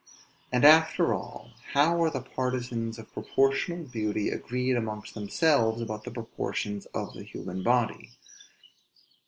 And after all, how are the partisans of proportional beauty agreed amongst themselves about the proportions of the human body?